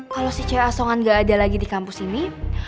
kalau si cewek asongan nggak ada lagi di kampus ini